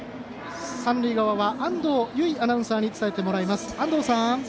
三塁側は安藤結衣アナウンサーに伝えてもらいます。